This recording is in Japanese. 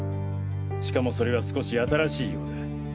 しかもそれは少し新しいようだ。